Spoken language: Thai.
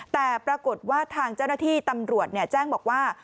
แต่ปรากฏว่าทางเจ้าหน้าที่ตำรวจแจ้งบอกว่า